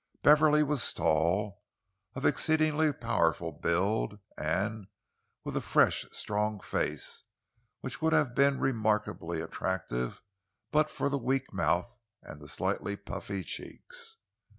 Beverley was tall, of exceedingly powerful build, and with a fresh, strong face which would have been remarkably attractive but for the weak mouth and the slightly puffy cheeks.